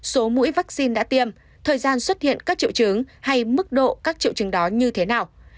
số mũi vaccine đã tiêm thời gian xuất hiện các triệu chứng hay mức độ các triệu chứng đó như thế nào